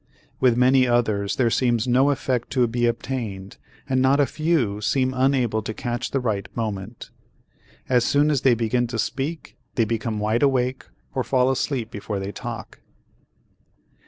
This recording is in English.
With many others there seems no effect to be obtained and not a few seem unable to catch the right moment. As soon as they begin to speak they become wide awake or fall asleep before they talk.